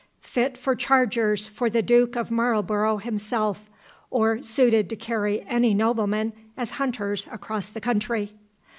"Fit for chargers for the Duke of Marlborough himself, or suited to carry any noblemen as hunters across the country."